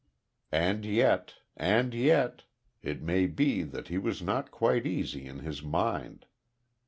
And yet and yet it may be that he was not quite easy in his mind.